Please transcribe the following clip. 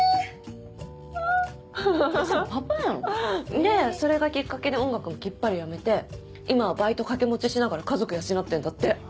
でそれがきっかけで音楽もきっぱりやめて今はバイト掛け持ちしながら家族養ってんだって。